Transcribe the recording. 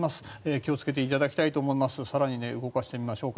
気を付けていただきたいと思います。